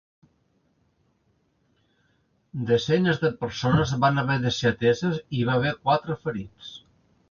Desenes de persones van haver de ser ateses i hi va haver quatre ferits.